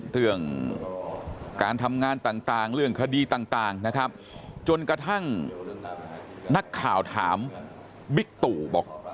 เรื่องการทำงานต่างเรื่องคดีต่างนะครับจนกระทั่งนักข่าวถามบิ๊กตู่บอก